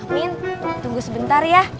amin tunggu sebentar ya